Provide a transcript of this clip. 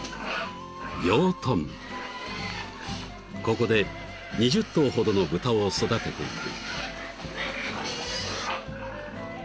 ［ここで２０頭ほどの豚を育てている］